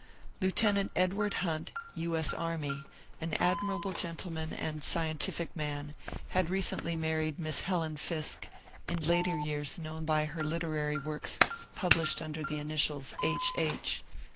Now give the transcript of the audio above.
Lieutenant Edward Hunt, U. S. A., an \^^' y admirable gentleman and scientific man, had recently married Miss Helen Fiske, in later years known by her literary works published under the initials ^^H. H."